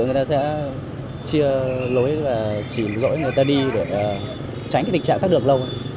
người ta sẽ chia lối và chỉ dỗi người ta đi để tránh tình trạng thất được lâu